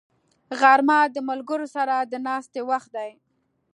غرمه د ملګرو سره د ناستې وخت دی